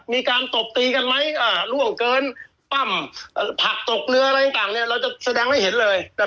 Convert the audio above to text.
มีการตกตีกันไหมอ่าล่วงเกินปั้มเอ่อผักตกเนื้ออะไรต่างเนี้ยเราจะแสดงไม่เห็นเลยนะครับ